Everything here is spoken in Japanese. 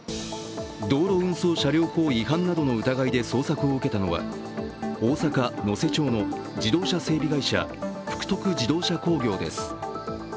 道路運送車両法違反などの疑いで捜索を受けたのは大阪・能勢町の自動車整備会社、福徳自動車工業です。